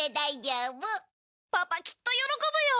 パパきっと喜ぶよ。